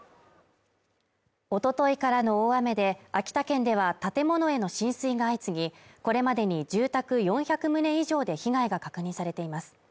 一昨日からの大雨で、秋田県では建物への浸水が相次ぎ、これまでに住宅４００棟以上で被害が確認されています。